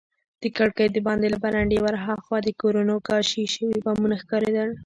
د کړکۍ دباندې له برنډې ورهاخوا د کورونو کاشي شوي بامونه ښکارېدل.